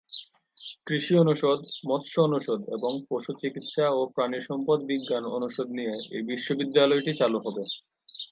কৃষি অনুষদ, মৎস্য অনুষদ এবং পশু চিকিৎসা ও প্রাণিসম্পদ বিজ্ঞান অনুষদ নিয়ে এই বিশ্ববিদ্যালয়টি চালু হবে।